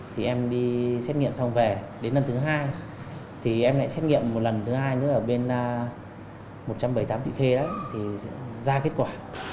thì em đi xét nghiệm xong về đến lần thứ hai thì em lại xét nghiệm một lần thứ hai nữa ở bên một trăm bảy mươi tám vị khê đấy thì ra kết quả